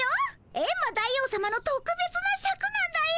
エンマ大王さまのとくべつなシャクなんだよ！